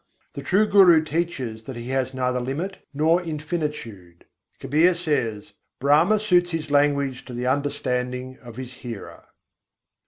The true guru teaches that He has neither limit nor infinitude. Kabîr says: "Brahma suits His language to the understanding of His hearer."